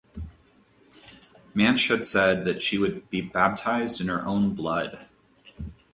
Manche had said that she would be baptized in her own blood.